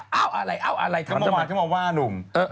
เอาอะไรเอาอะไร์เอาอะไรโบไหแต้นมามาหว่านุ่งเอ่อเออ